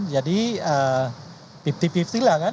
jadi pifti piftilah kan